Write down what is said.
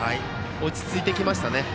落ち着いてきましたね。